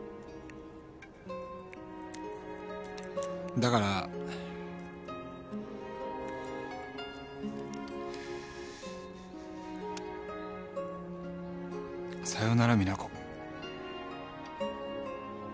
だからさよなら実那子。